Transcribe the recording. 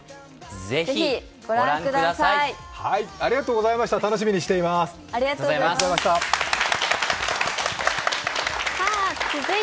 ぜひ御覧ください。